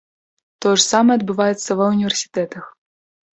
Тое ж самае адбываецца ва ўніверсітэтах.